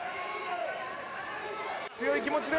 強い気持ちで。